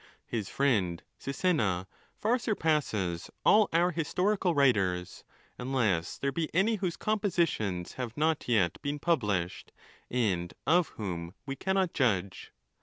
His friend Sisenna far surpasses all our historical writers, unless there be any whose compositions have not yet been published, and of whom we cannot judge.